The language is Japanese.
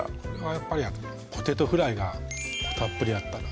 やっぱりポテトフライがたっぷりあったら